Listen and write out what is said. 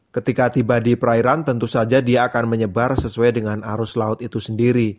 ketika tiba di perairan tentu saja dia akan menyebar sesuai dengan arus laut itu sendiri